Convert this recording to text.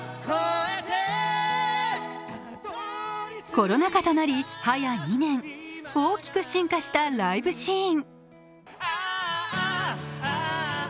コロナ禍となり、早２年大きく進化したライブシーン。